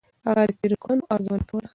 هغه د تېرو کړنو ارزونه کوله.